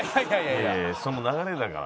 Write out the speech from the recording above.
いやいやその流れじゃ。